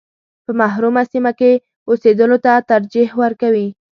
په محرومه سیمه کې اوسېدلو ته ترجیح ورکوي.